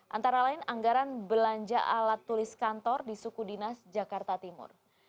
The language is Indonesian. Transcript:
antara lain anggaran belanja alat tulis kantor di suku dinas jakarta timur